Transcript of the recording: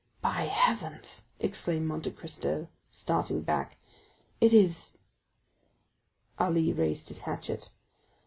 "By heavens," exclaimed Monte Cristo, starting back, "it is——" Ali raised his hatchet.